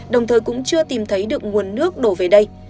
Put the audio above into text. đồng thời cũng chưa tìm thấy được nguồn nước đổ về đây